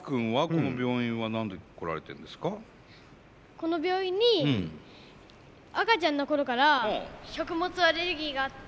この病院に赤ちゃんの頃から食物アレルギーがあって。